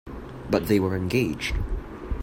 But they were engaged.